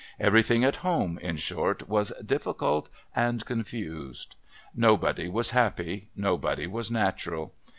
Everything at home, in short, was difficult and confused. Nobody was happy, nobody was natural.